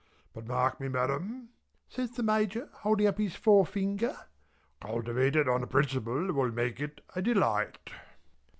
But mark me Madam," says the Major holding up his forefinger "cultivated on a principle that will make it a delight."